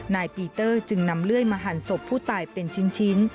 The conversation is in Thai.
นายปีเตอร์จึงนำเลื่อยมาหั่นศพผู้ตายเป็นชิ้น